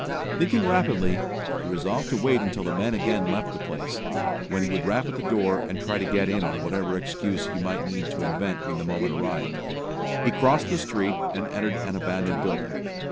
Thinking rapidly, he resolved to wait until the men again left the place, when he would rap at the door, and try to get in on whatever excuse he might need to invent when the moment arrived. He crossed the street, and entered an abandoned building.